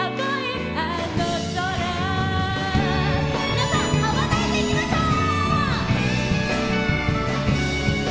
皆さん羽ばたいていきましょう！